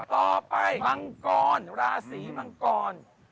ต่อไปมังกรราศีมังกร